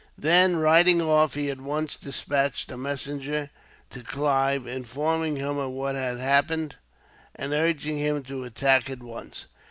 Then, riding off, he at once despatched a messenger to Clive, informing him of what had happened, and urging him to attack at once.